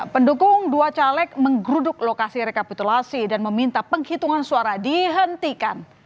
pendukung dua caleg menggeruduk lokasi rekapitulasi dan meminta penghitungan suara dihentikan